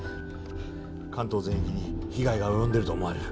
関東全域に被害が及んでいると思われる。